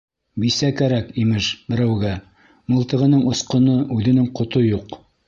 Бисә кәрәк, имеш, берәүгә, мылтығының осҡоно, үҙенең ҡото юҡ.